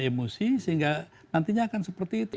mereka lebih beremosi sehingga nantinya akan seperti itu